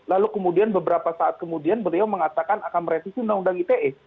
lalu kemudian beberapa saat kemudian beliau mengatakan akan merevisi undang undang ite